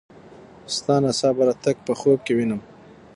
ستا ناڅاپه راتګ په خوب کې وینم.